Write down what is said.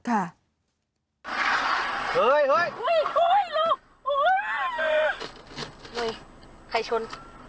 ใครชน